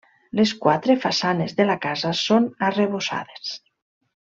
Les quatre façanes de la casa són arrebossades.